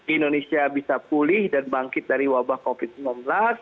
indonesia bisa pulih dan bangkit dari wabah covid sembilan belas